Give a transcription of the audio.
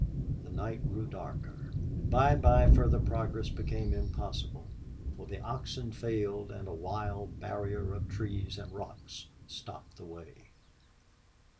The night grew darker. By and by further progress became impossible, for the oxen failed and a wild barrier of trees and rocks stopped the way.